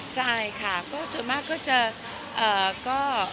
ช่วงนี้ก็เลยไม่ใช่แบบมีเพื่อนหรือเปล่า